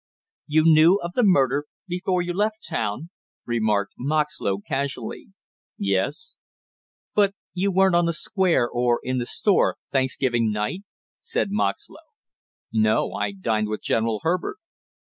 "You knew of the murder before you left town?" remarked Moxlow casually. "Yes." "But you weren't on the Square or in the store Thanksgiving night?" said Moxlow. "No, I dined with General Herbert."